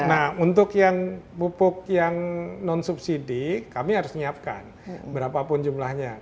nah untuk yang pupuk yang non subsidi kami harus menyiapkan berapapun jumlahnya